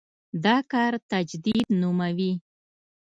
دا کار تجدید نوموي.